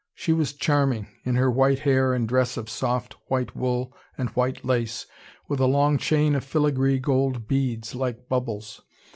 She was charming, in her white hair and dress of soft white wool and white lace, with a long chain of filigree gold beads, like bubbles.